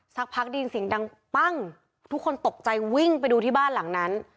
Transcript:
สักพักได้ยินเสียงดังปั้งทุกคนตกใจวิ่งไปดูที่บ้านหลังนั้น